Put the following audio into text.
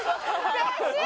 悔しい！